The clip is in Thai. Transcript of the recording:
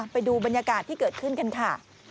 ไปดูบรรยากาศที่เกิดขึ้นกันค่ะ